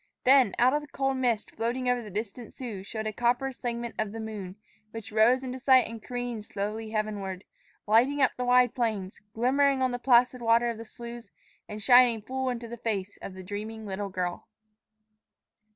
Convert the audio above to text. Then out of the cold mist floating over the distant Sioux showed a copper segment of the moon, which rose into sight and careened slowly heavenward, lighting up the wide plains, glimmering on the placid water of the sloughs, and shining full into the face of the dreaming little girl.